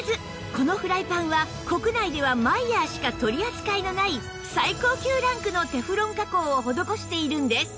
このフライパンは国内ではマイヤーしか取り扱いのない最高級ランクのテフロン加工を施しているんです